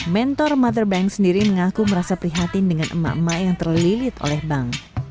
mentor mother bank sendiri mengaku merasa prihatin dengan emak emak yang terlilit oleh bank